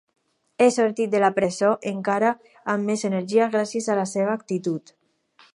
He sortit de la presó encara amb més energia gràcies a la seva actitud.